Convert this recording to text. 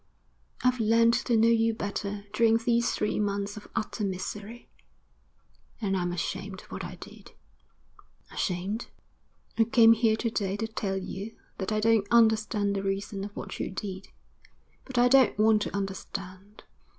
I've learnt to know you better during these three months of utter misery, and I'm ashamed of what I did.' 'Ashamed?' 'I came here to day to tell you that I don't understand the reason of what you did; but I don't want to understand.